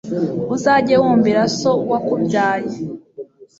uzajye wumvira so wakubyaye